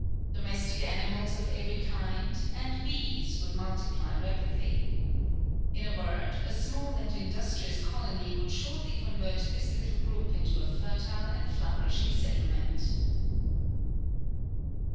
Domestic animals of every kind and bees would multiply rapidly. In a word, a small and industrious colony would shortly convert this little group into a fertile and flourishing settlement."